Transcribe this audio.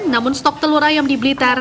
namun stok telur ayam di blitar